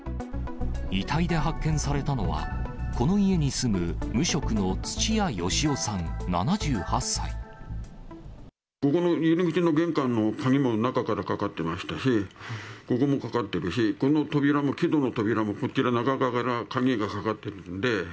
遺体で発見されたのは、この家に住む、ここの入り口の玄関の鍵も、中からかかってましたし、ここもかかってるし、この扉の木戸の扉も、こっちの中から鍵がかかってるんで。